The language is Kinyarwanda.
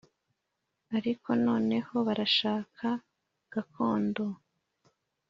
Ariko noneho barashaka gakondo